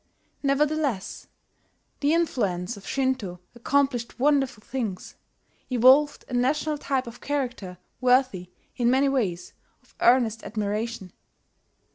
Nevertheless, the influence of Shinto accomplished wonderful things, evolved a national type of character worthy, in many ways, of earnest admiration.